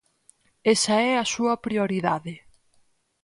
Esa é a súa prioridade.